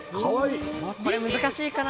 これ難しいかな？